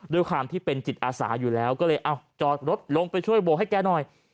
ด้วยความที่เป็นจิตอาสาอยู่แล้วก็เลยจอดรถลงไปช่วยโบกให้แกหน่อย